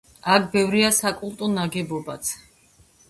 აქ ბევრია საკულტო ნაგებობაც.